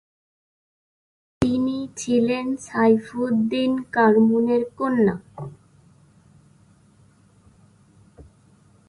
তিনি ছিলেন সাইফুদ্দিন কারমুনের কন্যা।